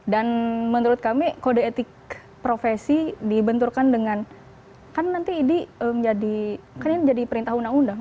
dan menurut kami kode etik profesi dibenturkan dengan kan nanti idi menjadi perintah undang undang